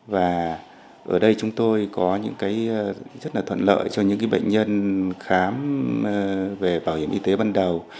và ở đây chúng tôi có những cái rất là thuận lợi cho những bệnh nhân khám về bảo hiểm y tế ban đầu